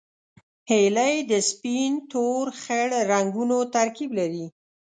هیلۍ د سپین، تور، خړ رنګونو ترکیب لري